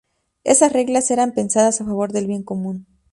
Esas reglas eran pensadas a favor del bien común.